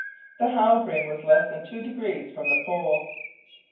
The Halbrane was less than two degrees from the pole.